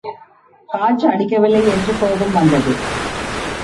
காற்று அடிக்கவில்லை என்று கோபம் வந்தது.